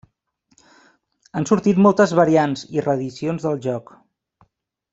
Han sortit moltes variants i reedicions del joc.